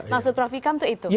maksud prof ikam itu